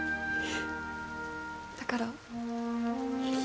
だから